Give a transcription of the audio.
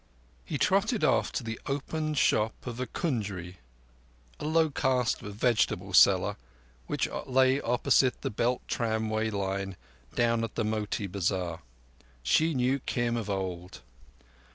He trotted off to the open shop of a kunjri, a low caste vegetable seller, which lay opposite the belt tramway line down the Motee Bazar. She knew Kim of old.